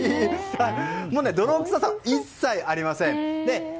もう、泥臭さは一切ありません。